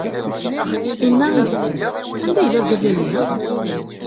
Inna i yessi-s: Anda yella urgaz-agi?